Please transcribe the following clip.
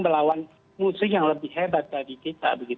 melawan musuh yang lebih hebat dari kita